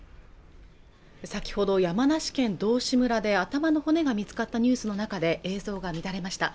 先ほど山梨県道志村で頭の骨が見つかったニュースの中で映像が乱れました